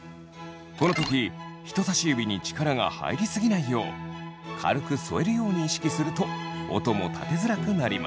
この時人さし指に力が入り過ぎないよう軽く添えるように意識すると音も立てづらくなります。